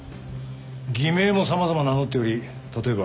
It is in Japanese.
偽名も様々名乗っており例えば。